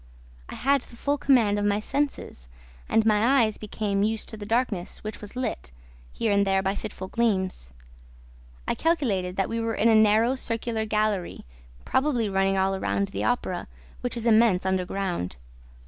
I had the full command of my senses; and my eyes became used to the darkness, which was lit, here and there, by fitful gleams. I calculated that we were in a narrow circular gallery, probably running all round the Opera, which is immense, underground.